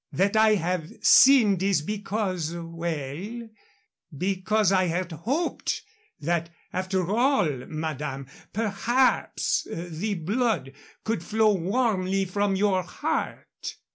That I have sinned is because well, because I had hoped that, after all, madame, perhaps the blood could flow warmly from your heart."